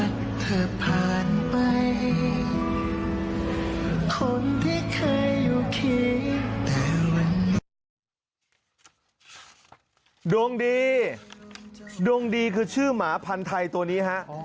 ดวงดีดวงดีคือชื่อหมาพันธุ์ไทยตัวนี้ฮะ